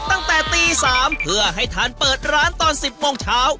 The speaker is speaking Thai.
ตั้งแต่ตี๓เพื่อให้ทานเปิดร้านตอน๑๐โมงเช้า